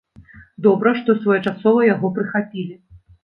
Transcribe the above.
Добра, што своечасова яго прыхапілі.